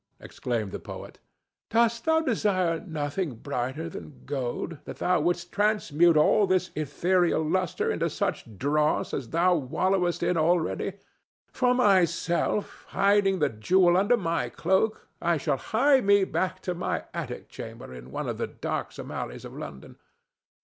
exclaimed the poet. "Dost thou desire nothing brighter than gold, that thou wouldst transmute all this ethereal lustre into such dross as thou wallowest in already? For myself, hiding the jewel under my cloak, I shall hie me back to my attic chamber in one of the darksome alleys of London.